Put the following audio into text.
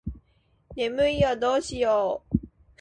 眠いよどうしよう